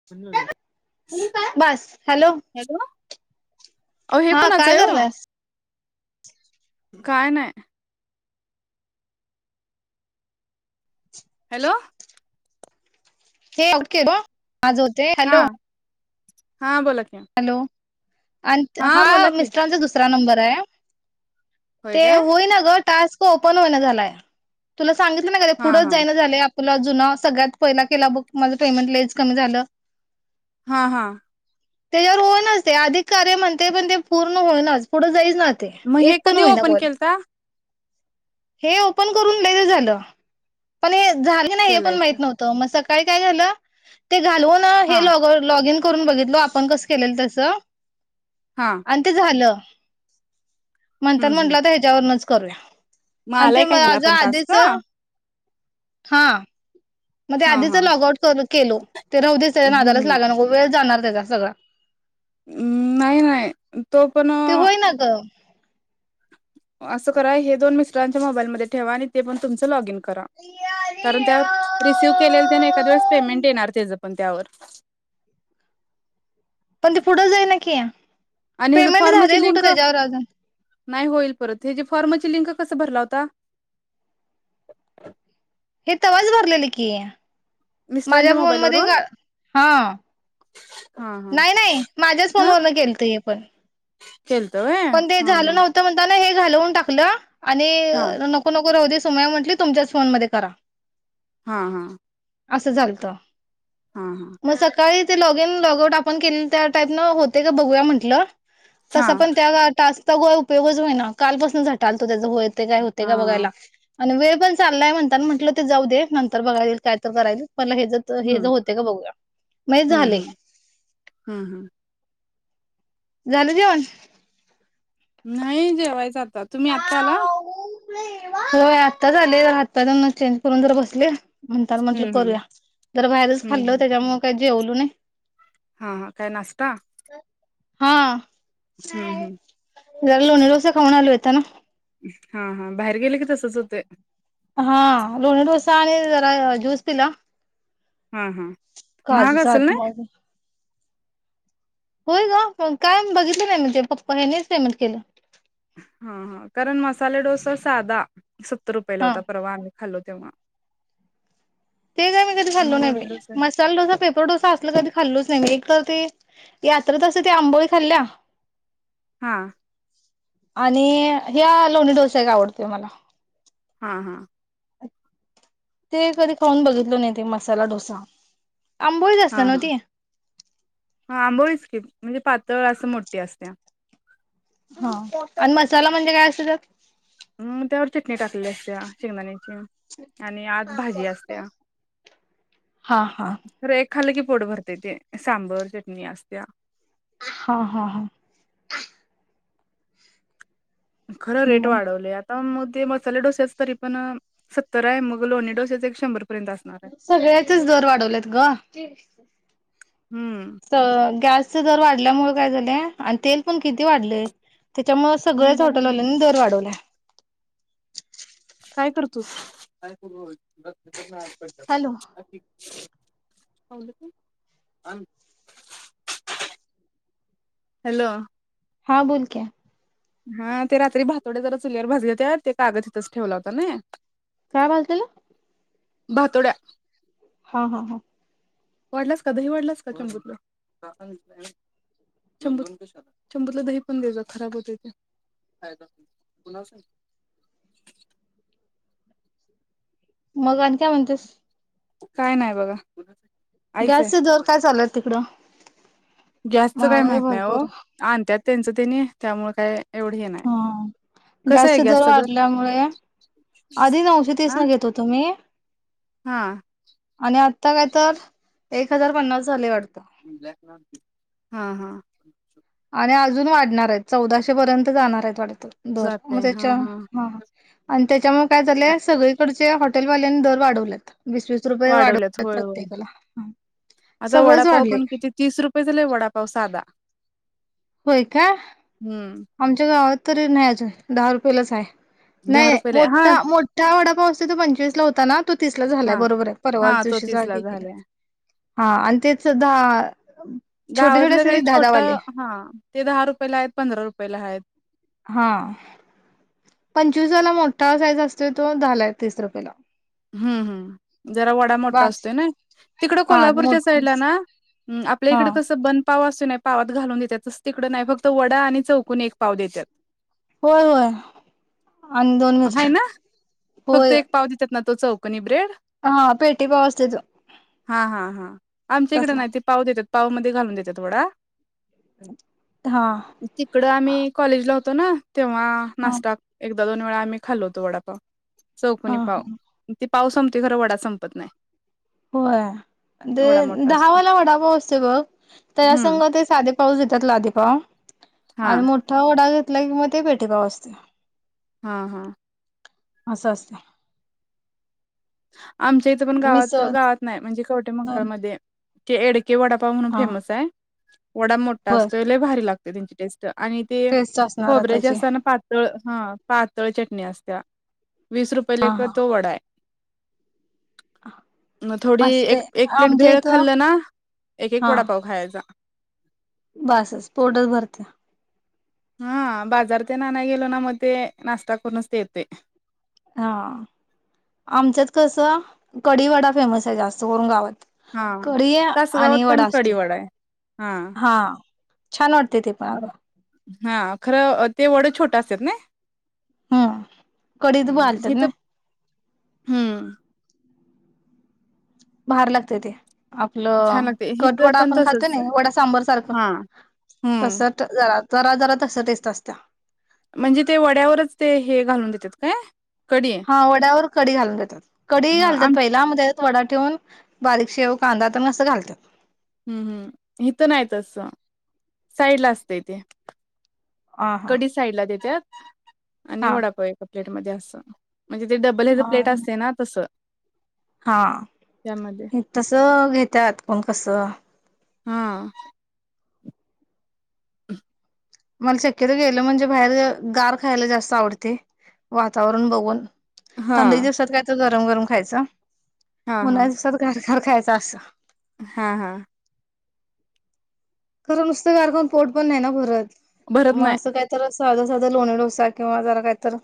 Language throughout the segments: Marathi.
[inaudible] म्ह बस हॅलो हॅलो अ हे हा कणाच काय आहे हो करलास [inaudible] काय नाही. हॅलो. हे ओक आज होते हॅलो. हां बोला क. हॅलो हा की मिस्टरांचा दुसरा नंबर आहे. होय ते काय होई ना ग टास्क ओपन होईन झालाय तुला सांगितलं ना ग ते हा पुढंच हा जायनं झालं. तुला जुना सगळ्यात पहिला केला बुक माझं पेमेंट लईच कमी झालं. हा हा. त्याच्यावर होई नाच ते अधिक कार्य म्हणते पण ते पूर्ण होई नाच पुढं जाईच ना. ते मग हे एक पण कधी होईना ओपन कोण. केलता हे ओपन करून ललं झालं. पण हे झालं नाही हे पण केलायच माहित नव्हतं मग सकाळी काय झालं ते घालवून हा हे लॉ. लॉग इन करून बघितलो आपण कस केलेल तस. हां. आणि ते झालं म्हणत हम्म हम्म म्हटलं तर ह्याच्यावरूनच करूया. मग आणि ते आलाय का ह्याला माझ पण टास्क आधीच हा हा. मग ते आधीच हा लॉग आउट केलो ते राह देच त्याच्या नादालाच हम्म लागाला वेळ जाणार त्याचा सगळा. हम् नाही नाही तो पण. अगं. असं करा हे दोन मिस्टरांच्या मोबाईलमध्ये ठेवा आणि ते पण तुमचं लॉगिन. रा कारण त्यावर रिसिव केले एखद वेळेस पेमेंट येणार त्याच पण त्यावर. पण त पुढं जाई ना की या आणि ह्याच पेमेंट झालंय फॉर्मची कुठं लिंक त्याच्यावर अजून. नाही होईल परत हेची फॉर्माची लिंक कसं भरला होता. हे तवाच भरलेले की माझ्या मिस्टरांच्या फोन मोबाईल मध्ये वरून हा. हा हा नाही नाही माझ्याच हा फोनवरलं केलत पण. केलत होय. पण ते झालं नव्हतं म्हणता ना हे झालं म्हणून टाकलं आणि हा नक. नोक हो समय म्हट तुमच्याच फोन मध्ये करा. हा हा. असं झालत. हां हां. मग सकाळी ते लॉग इन लॉग आऊट आपण केले त्या टाईप न होते का बघूया म्हटलं. हा. टॅक्स चा उपयोगच हो ना कालपासून झटालतो त्याच हो य काय होते हा का हा बघायला. आणि वेळ पण चाललाय म्हणता म्हटलं ते जाऊ दे नंतर बघाईल काय तर करायल मला हे ज. तर हे ज हम्म होते का बघूया मण हम्म झाले हम्म हम्म हम्म झालं जेवण. नाही जेवायचं आता तुम्ही आत्ता आला. होय आत्ताच आले हातपाय धून चेंज करून बसले. म्हणता म्हंटल हम्म हम्म करूया जर बाहेरच हम्म खाल्लं त्याच्यामुळे काही जेवल नाही. हां हां काय नाश्ता. हा. हम्म हम्म. लोणी डोसा खाऊन आलो येताना. हा हा बाहेर गेले की तसच होते. हा लोणी डोसा आणि जरा ज्यूस पिला. हा हा. महाग काजूचा असेल हत ना मग. होय ग मग काय बघितलं नाही म्हणजे पप्पा हनीच सेमट केलं हा हा कारण मसाला डोसा साधा सत्तर रुपये हा लावता. परवा आम्ही खाल्लो तेव्हा, ते काय मी कधी खाल मग नाही लोणी मी डोसा ल डोसा पेपर डोसा असल कधी खाल्लोच नाही म एक तर ते यात्रेत असते ते आंबोई खाल्ल्या. [inaudible] हा आणि ह्या लोणी डोसा का आवडतोय मला. हा हा. ते कधी खाऊन बघितलं नाही ते मसाला डोसा आंबो असत हा ना हा ते. हा आंबोळीच के म्हणजे पातळ असं मोठी असते. हा आणि मसाला म्हणजे काय असत तर, हम त्यावर चटणी टाकली असते शेंगदाण्याची. आणि आत भाजी असत्या. हा हा ते एक खाली की पोट भरते ते सांबर चटणी असत्या. हा हा हा.. खरं रेट मग वाढवले. मध्ये मसाले डोस्याच तरी पण सत्तर आहे मग लोहणी डोस्याच एक शंभर पर्यंत असत सगळ्याचेच दर वाढवलेत ग. हम्म तर गॅसचे दर वाढल्यामुळे काय झालंय आणि तेल पण किती वाढलेय. त्याच्यामुळे सगळ्याच हॉटेलल्यांनी दर वाढवला. काय करतो? Hello [unintelligible] hello? हां बोल की, हा ते रात्री भातोडे्या जरा चुलीवर भाजले त्या ते कागद तिथंच ठेवला होता ना. काय भाजल भातोड्या. हा हा हा वाढलास का? दही वाढलास का चंपूतला शंबूतला दही पण द खराब होते ते. [unintelligible] मग आणि काय म्हणतेस. काय नाही बघा आईच आहे गॅसच जोर काय चालूय तिकडं. गॅसचं काही महागाई माहत नाही हो भरपूर आणतत त्यांचं त्यांनी त्यामुळे काय एवढी हे नाही हा. कसं आहे गॅसचे दर गस्त तर वाढल्यामुळे आधी नऊशतीीस न घेतो तुम्ही हा आणि आत्ता काय तर एक हजार पन्नास झाले वाटत हा हा आणि अजून वाढणार आहेत चौदाशे पर्यंत जाणार आहेत वाढत दर मग जातय हा त्याच्या हा ह आणि त्याच्यामुळेळे काय झालंले सगळीकडचे हॉटेल वाल्यानी दर वाढवल्यात वीस वस रुपये वाढवल्यात वाढवत होय होय प्रत्येकाला आता सगळंच वडापाव वाढले पण किती तीस रुपये झाले वडापाव साधा होय का हम्म आमच्या गावात तरी नाहीचं दहा रुपयेलाच आहे दहा नाही रुपयेला हा मोठा मोठा वडापावस त तो पंचवीसला होता ना तो तीसला झालाय बरोबर आहे परवाच दिवशी जागे झाले हा आणि तेच सुद्धा गावातलं काही छोट हा ते दहा रुपयेला आहेत पंधरा रुपयेला आहेत हा पंचवीसाला मोठा साईज असतो तो दहाला आहे तीस रुपयेला हम्म हम् जरा वडा मोठा बास असतो ना तिकडं हा कोल्हापूरच्या मोठी साईडला ना आपल्या हा इकडे कसं बन पाव असू नाही पावात घालून देतातच तिकडं नाही फक्त वडा आणि चौकून एक पाव देतात होय होय आणि दोन ह मिरच्या ना फक्त होय एक पाव देतात ना तो चौकनी ब्रेड हा पेटी पाव असते तो हा हा हा आमच्या इकडे तसला नाहीती पाव देतात पाव मध्ये घालून देतातथडा हा तिकड हा आम्ही कॉलेज ला होतो ना तेव्हा हा नाशता एकदा दोन आम्ही खालवतो वडापाव चौकणी हा पाव ती पाव संपते खर वडा संपत नाही होय ते एवढा मोठा असतो दहावाला वडापाव असते बघ त्याला हम्म संग ते साधे पाऊस देतात लाधेपाव हा आणि मोठा वओडा घेतला किं ते पेटेपाव असते हा हा असं असं आमच्या इथं पण गावात मिसळ गावात नाही म्हणजे कवटे मकळमध्येध्ये ते एड वडापाव म्हणून हा फेमस आहे वडा मोठा बर असतो भारी लागते त्यांची टेस्ट आणि ते टेस्ट असणार खोबरेज आताची असताना प तळ हा पातळ चटणी असत्या वीस रुपये हा लेख हा तो वडा आहे ह मग थोडी एक एक प्लेट भेळ खाल्लं ना एक एक वडापाव खायचा बसस पोर्टस भरते हा बाजार ते ना नाही गेलो ना मग ते नाश्ता करूनच ते येते हा आमच्यात कसं कढवाडा फेमस आहे जास्त करून गावात हा कढी आहे तासगावात आणि पण वडा कडी असते आहे हा छान वाटते ते पण अ अगं हा खरं ते वड छोटं असतत ना हम्म कडीत हम् घालतात हे ना तर हम्म बाार लागते ते छान आपलं लागते हिथं कटवडा पण आपण खातो तसच ना वडा सांबर सारखं हा तस हम्म जरा जरा जरा तसं तेचत असत म्हणजे ते वड्यावरच ते हे घालून देतात काय कडी हा वडावर कडी घालून देतात कडीी हा घालतात आम पाहिज वडा ठेवून बारीक शेव कांदाातसं घालत हम्म हम् इथं नाहीच अस साईड ला असतंय ते हा हा कडीी साईडला देत आणि हा वडाप एका प्लेट मध्ये असं म्हणजे ते डबल हच प्लेट असते ना तसं हा त्यामध्ये तसं घेतात पण कसं हा ह मला शक्यत गेलं म्हणजे बाहेर गार खायला जास्त आवडते वातावरण बघून हा थंडी दिवसात कायच गरम गरम खायचं हा हा उन्हा्या दिवसात घार घर खायच अस हा हा खरं नुसत कारकून पोट पण नाही ना भरत भरत मग नाही असं काही तर साधं साधा लोणी डोसा किंवा जरा काहीत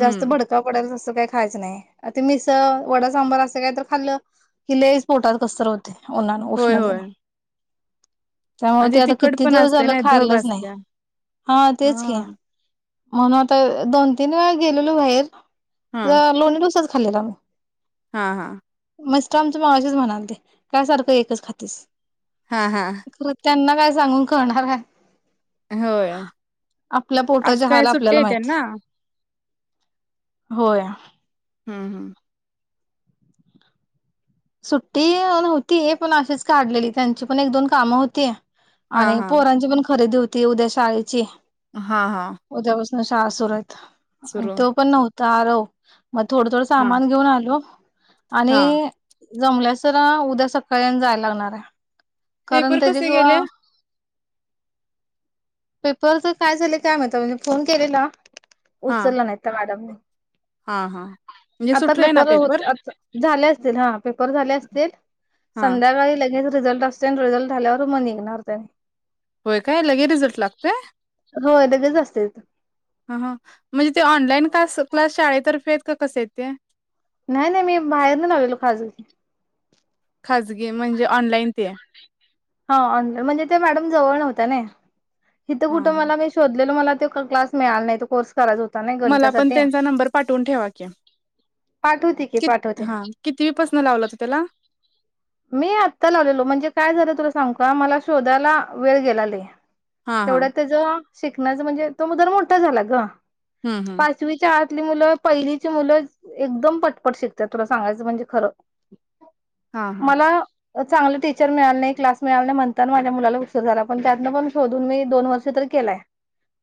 जास्त हम्म बडक का पडल अससं काही खायचं नाही ते मिसळ वडा सांबार असं काय तर खाल्लं किल्ले स्फोटात कसर होते ना होय उष्ण देण होय त्यामुळे आणि ते आता तिखट किती पण दिवस असते झालं ना धग खाल्लंच नाही असत्या हा तेच की हा म्हणून आता दोन तीन वेळा गेलेलो बाहेर हा तर लोणी डोसच खाल्लेला म्ही हा हा मस्त आमच मगशीच म्हणालते काय सारखं एकच खातीस हा हा ख त्यांना काय सांगून कळणार का होय आपल्या आज पोटाचे काय सुट्टी आपल्याला आहे माहिती त्यांना होय हम् हम सुट्टी न्हती पण अशीच काढलेली त्यांची पण एक दोन कामं होतीय हा आणि हा पोरांची पण खरेदी होती उद्या शाळेची हा हा उद्यापासून श सुर आहेतत आणि सुरू तो पण नव्हता आरव मग थोडं थोडं हा सामान घेऊन आलो आणि हा जमल्यास तरर उद्या सकाळी जाय लागणार आहे कारण पेपर त्याची कसे किं गेले पेपर तर काय झाले काय मात म्हे फोन केलेला हा उचललं नाही मॅडमने हा हा म्हणजे आता सुटलाय ना पेपर हो झाले असतील हा पेपर झाले असतील हा संध्याकाळी लगेच रिझल्ट असते रिझल्ट झाल्यावर मग निघणार त्याने होय काय लगे रिझल्ट लागतय हो लगेच असते हा ह म्हणजे ते ऑनलाईन क्स क्लास शाळेतर्फे आहेत का कसे आहेत ते नाही नाही मी बाहेर नाही ला गलो खाजग खाजगी म्हणजे ऑनलाईन ते हा ऑनलान म्हणजे ते मॅडम जवळ नव्हं ना इिथं हा कुठं हा मला शोधलेल मला क्लास मिळाला नाही तो कोर्स चालत होता नाही मला पण गणितासाठी त्यांचा नंबर पाठवून ठेवा की पाठवते की पाठवते कितीवीपसन लावला तो त्याला मी आत्ता लावलेलो म्हणजे काय झालं तुला सांग का मला शोधायला वेळ गेलाले हा हा तेवढा त्याचा शिकण्याचा म्हणजे तो मुदार मोठा झाला ग हम् हम पाचवीच्या आतली मुलं पहिलीची मुलं एकदम पटपट शिकतात तुला सांगायचं म्हणजे खरं हा हा मला चांगलं टीचर मिळाल नाही क्लास मिळाला नाही म्हणताना माझ्या मुलाला उपसर झाला पण त्यातनं पण शोधून मी दोन वर्ष तरी केलाय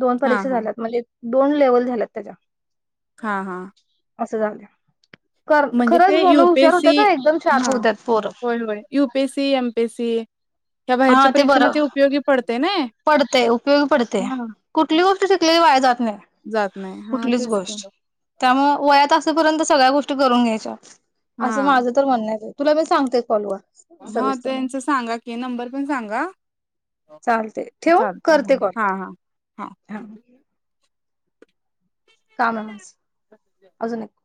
दोन हा परीक्षा हा झाल्यात म्हणजे दोन लेवल झाल्यात त्याच्या हां हा असं झालं म्हणजे खरंच ते मुलं हुशार होत्यात हा एकदम शार्प होत्यात पोर U P S C, M P S C या हा बाहेरच्या परीक्षणा बरं ते उपयोगी पडतय नय. पडतय उपयोगी पडतय कुठली गोष्ट शिकलेली वाया जात नाय. जात नाय हा तेच की म त्यामुळ वयात असेपर्यंत सगळ्या गोष्टी करून घ्यायच्या असं हा माझं तर म्हणणय तुला मी सांगते कॉल वर हा त्यांच सांगा की नंबर पण सांगा चालते ठेवू चालतय करते कॉल हा हा हा हा काम ये माझं अजून एक